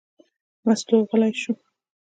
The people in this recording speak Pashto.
مستو غلې شوه.